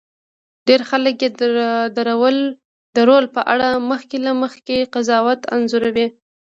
ډېر خلک یې د رول په اړه مخکې له مخکې قضاوت انځوروي.